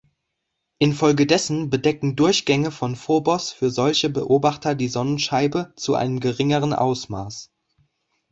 Infolgedessen bedecken Durchgänge von Phobos für solche Beobachter die Sonnenscheibe zu einem geringeren Ausmaß.